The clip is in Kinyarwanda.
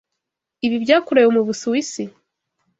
Ibi byakorewe mu Busuwisi?